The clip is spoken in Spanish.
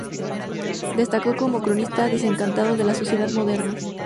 Destacó como cronista desencantado de la sociedad moderna.